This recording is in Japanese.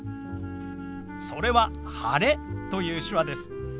それは「晴れ」という手話です。